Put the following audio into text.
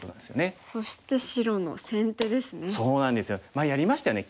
前やりましたよね。